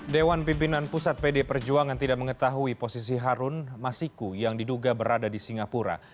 dewan pimpinan pusat pd perjuangan tidak mengetahui posisi harun masiku yang diduga berada di singapura